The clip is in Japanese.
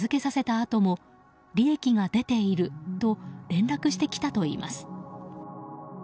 あとも利益が出ていると連絡してきたといいます。